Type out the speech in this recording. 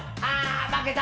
負けた。